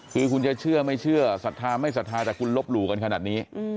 คือคุณจะเชื่อไม่เชื่อศรัทธาไม่ศรัทธาแต่คุณลบหลู่กันขนาดนี้